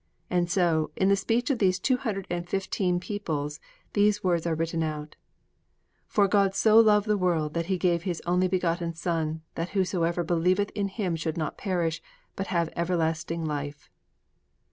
And so, in the speech of these two hundred and fifteen peoples, these words are written out: FOR GOD SO LOVED THE WORLD THAT HE GAVE HIS ONLY BEGOTTEN SON THAT WHOSOEVER BELIEVETH IN HIM SHOULD NOT PERISH BUT HAVE EVERLASTING LIFE.